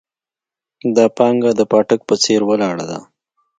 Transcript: دا پانګه د پاټک په څېر ولاړه ده.